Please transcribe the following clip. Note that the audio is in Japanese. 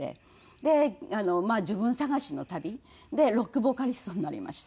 でまあ自分探しの旅。でロックボーカリストになりました。